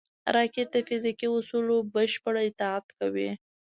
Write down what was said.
راکټ د فزیکي اصولو بشپړ اطاعت کوي